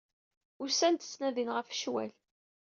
Usant-d, ttnadint ɣef ccwal.